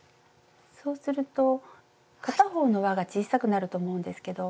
そうすると片方のわが小さくなると思うんですけど。